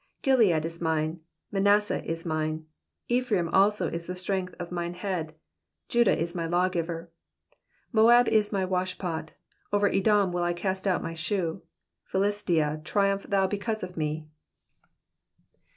7 Gilead is mine, and Manasseh is mine ; Ephraim also is the strength of mine head ; Judah is my lawgiver ; 8 Moab is my washpot ; over Edom will I cast out my shoe : Philistia, triumph thou because of me.